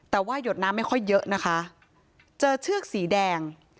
แต่ว่าหยดน้ำไม่ค่อยเยอะนะคะเจอเชือกสีแดง